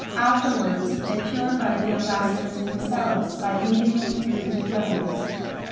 Afterwards they purified the ambassadors themselves by leading them through the flames.